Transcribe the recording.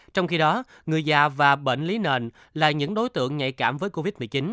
trong khi đó người già và bệnh lý nền là những đối tượng nhạy cảm với covid một mươi chín